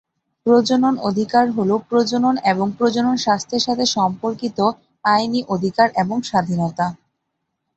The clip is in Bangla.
প্রজনন অধিকার হলো প্রজনন এবং প্রজনন স্বাস্থ্যের সাথে সম্পর্কিত আইনি অধিকার এবং স্বাধীনতা।